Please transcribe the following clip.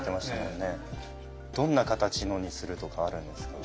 どんな形のにするとかあるんですか？